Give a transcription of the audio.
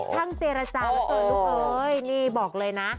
ช่างเจรจาลูกเอ้ยนี่บอกเลยนะ